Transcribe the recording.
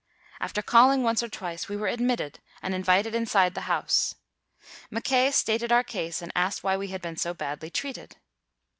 After calling once or twice, we were ad mitted and invited inside the house. Mackay stated our case and asked why we had been so badly treated."